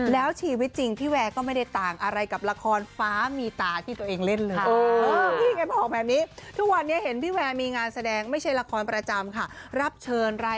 แล้วชีวิตจริงพี่แวร์ก็ไม่ได้ต่างอะไรกับละครฟ้ามีตาที่ตัวเองเล่นเลย